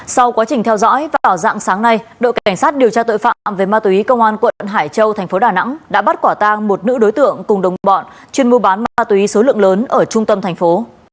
sau quá trình theo dõi vào dạng sáng nay đội cảnh sát điều tra tội phạm về ma túy công an quận hải châu thành phố đà nẵng đã bắt quả tang một nữ đối tượng cùng đồng bọn chuyên mua bán ma túy số lượng lớn ở trung tâm thành phố